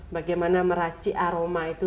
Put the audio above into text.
bagaimana meraci aroma itu